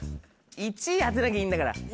１位当てなきゃいいんだから。